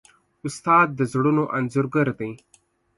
استاد د زړونو انځورګر دی.